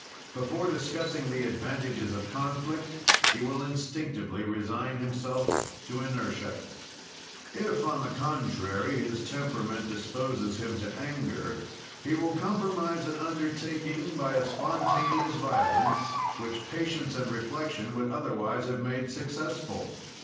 Before discussing the advantages of conflict, he will instinctively resign himself to inertia. If, on the contrary, his temperament disposes him to anger, he will compromise an undertaking by a spontaneous violence, which patience and reflection would otherwise have made successful.